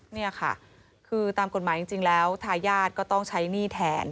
นี่ค่ะคือตามกฎหมายจริงแล้วทายาทก็ต้องใช้หนี้แทน